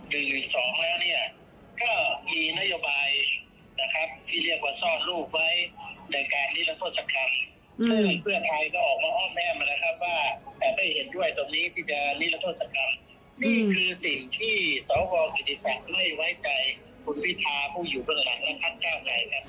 ก็มีนโยบายที่เรียกว่าสอดรูปไว้ในการนี้และต้นสักครั้ง